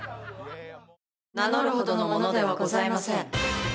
名乗るほどのものではございません。